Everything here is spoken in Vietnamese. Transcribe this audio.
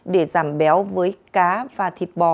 để giảm béo với cá và thịt bò